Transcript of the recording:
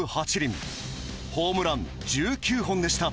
ホームラン１９本でした。